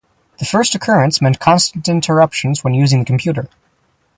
The first occurrence meant constant interruptions when using the computer.